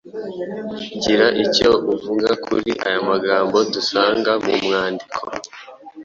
Gira icyo uvuga kuri aya magambo dusanga mu mwandiko: “